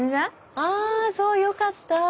あそうよかった。